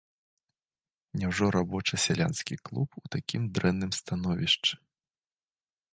Няўжо рабоча-сялянскі клуб у такім дрэнным становішчы?